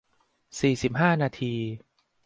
สี่สิบห้า นาที